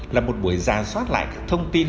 là một buổi giả soát lại thông tin